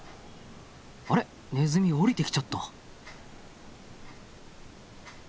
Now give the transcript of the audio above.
あれネズミ下りてきちゃった。